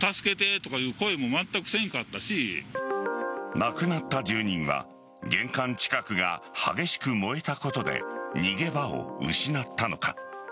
亡くなった住人は玄関近くが激しく燃えたことで逃げ場を失ったのか。